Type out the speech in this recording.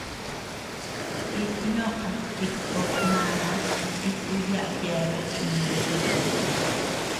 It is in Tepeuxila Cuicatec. It ñoʼö jiknot màa niku yaʼa yeabea jinukut.